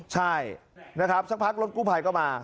ใช่สักพักรถกู้ภัยก็มา